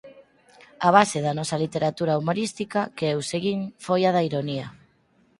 A base da nosa literatura humorística, que eu seguín, foi a da ironía.